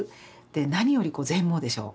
何より全盲でしょう。